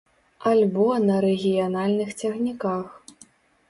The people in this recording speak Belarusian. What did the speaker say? Альбо на рэгіянальных цягніках.